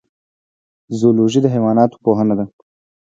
زولوژی د حیواناتو پوهنه ده